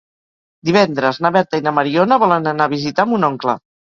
Divendres na Berta i na Mariona volen anar a visitar mon oncle.